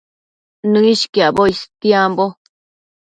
Nëishquiacboc istiambo